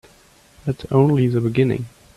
That's only the beginning.